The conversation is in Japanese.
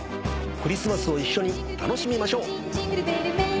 クリスマスを一緒に楽しみましょう。